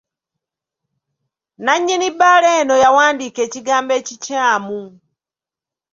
Nannyini bbaala eno yawandiika ekigambo ekikyamu.